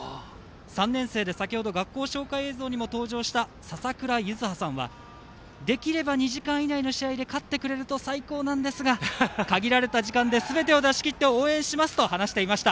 ３年生で先ほど学校紹介映像にも登場した笹倉柚子葉さんはできれば２時間以内の試合で勝ってくれると最高なんですが限られた時間ですべてを出しきって応援しますと話していました。